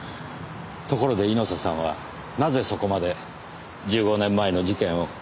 ところで猪瀬さんはなぜそこまで１５年前の事件を。